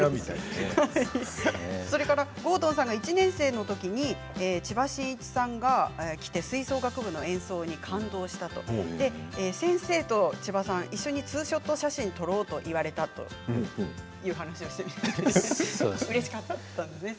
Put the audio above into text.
それから郷敦さんが１年生のときに千葉真一さんが来て吹奏楽部の演奏に感動した先生と千葉さん、一緒にツーショット写真を撮ろうと言われたという話をしていました。